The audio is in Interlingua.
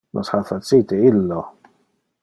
Nos ha facite illo.